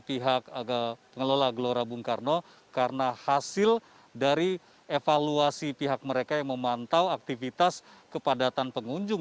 pihak pengelola gelora bung karno karena hasil dari evaluasi pihak mereka yang memantau aktivitas kepadatan pengunjung